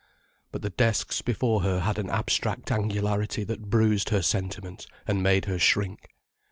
But the desks before her had an abstract angularity that bruised her sentiment and made her shrink.